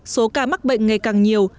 số ca mắc bệnh ngày càng nhiều